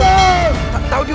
tidak tidak tidak